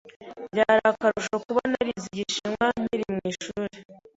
Byari akarusho kuba narize Igishinwa nkiri ku ishuri.